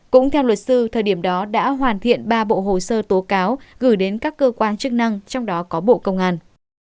cũng theo luật sư thời điểm đó đã hoàn thiện ba bộ hồ sơ tố cáo gửi đến các cơ quan chức năng trong đó có bộ công an